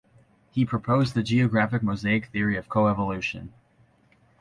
He proposed the geographic mosaic theory of coevolution.